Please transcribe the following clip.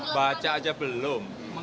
baca aja belum